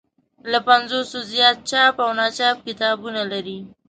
له پنځوسو زیات چاپ او ناچاپ کتابونه لري.